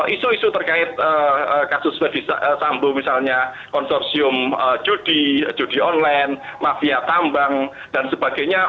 isu isu terkait kasus sambo misalnya konsorsium judi online mafia tambang dan sebagainya